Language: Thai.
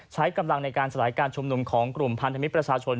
ใช้กำลังในการสลายการชุมนุมของกลุ่มพันธมิตรประชาชน